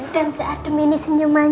dan seadem ini senyumanya